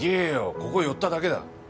ここ寄っただけだ。